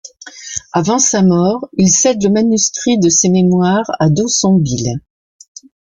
Avant sa mort, il cède le manuscrit de ses mémoires à Dossonville.